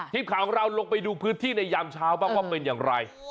ทีมข่าวของเราลงไปดูพื้นที่ในยามเช้าบ้างว่าเป็นอย่างไร